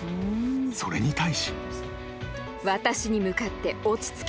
［それに対し］